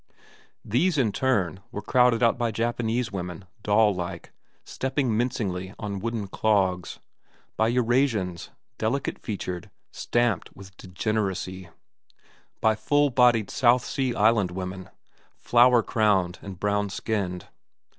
These, in turn, were crowded out by Japanese women, doll like, stepping mincingly on wooden clogs; by Eurasians, delicate featured, stamped with degeneracy; by full bodied South Sea Island women, flower crowned and brown skinned.